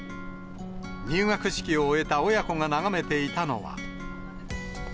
入学式を終えた親子が眺めていたのは。